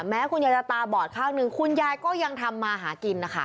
คุณยายจะตาบอดข้างหนึ่งคุณยายก็ยังทำมาหากินนะคะ